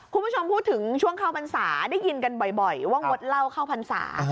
คุณผู้ชมพูดถึงช่วงเข้าพรรษาได้ยินกันบ่อยว่างดเหล้าเข้าพรรษา